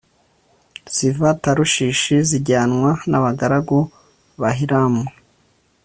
Ziva Tarushishi zijyanwa n’abagaragu ba Hiramu